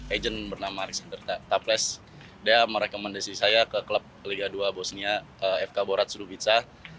agent bernama alexander taples dia merekomendasi saya ke klub liga ii bosnia fk boracudu bitsa